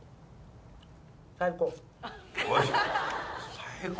最高。